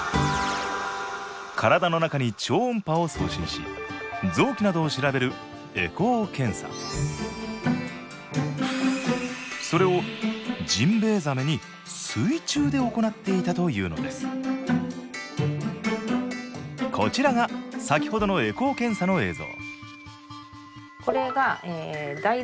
体の中に超音波を送信し臓器などを調べるそれをジンベエザメに水中で行っていたというのですこちらが先ほどのエコー検査の映像